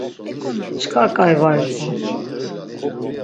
Çkar ǩai var iqu.